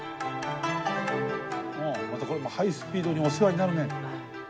また、これハイスピードにお世話になるね。